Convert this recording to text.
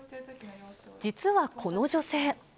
実はこの女性。